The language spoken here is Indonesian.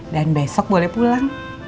dan besok boleh pulang